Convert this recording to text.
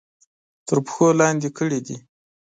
تر پښو لاندې کړي دي.